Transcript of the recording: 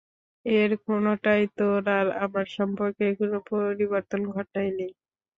এর কোনোটাই তোর আর আমার সম্পর্কের কোনো পরিবর্তন ঘটায়নি।